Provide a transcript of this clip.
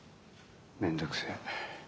めんどくせえ。